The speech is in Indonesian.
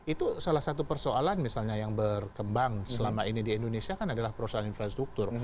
itu salah satu persoalan misalnya yang berkembang selama ini di indonesia kan adalah perusahaan infrastruktur